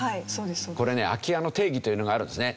これね空き家の定義というのがあるんですね。